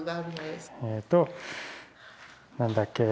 えと何だっけ？